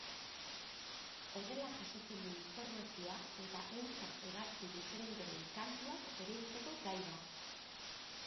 Horrela jasotzen du informazioa eta ehunka hegazti diferenteren kantuak bereizteko gai da.